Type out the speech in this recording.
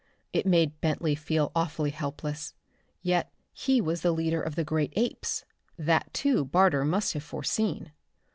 It made Bentley feel awfully helpless. Yet he was the leader of the great apes. That, too, Barter must have foreseen.